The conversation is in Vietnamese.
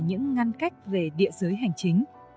những ngăn cách về địa giới hành chính